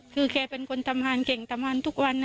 คือแกเป็นคนทำงานเก่งทำงานทุกวัน